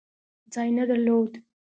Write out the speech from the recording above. ځای نه درلود.